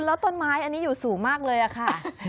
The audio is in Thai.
แล้วต้นไม้อันนี้อยู่สูงมากเลยอะค่ะ